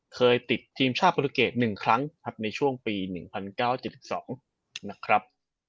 เคยติดทีมชาติโปรตุเกต๑ครั้งครับในช่วงปี๑๐๙๗๒นะครับ